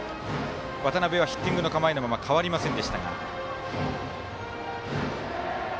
渡邊はヒッティングの構えのまま変わりません。